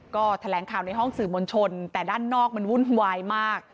ก็แถลงข่าวในห้องสื่อมวลชนแต่ด้านนอกมันวุ่นวายมาก